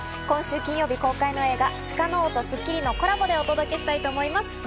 今週金曜日公開の映画『鹿の王』と『スッキリ』のコラボでお届けしたいと思います。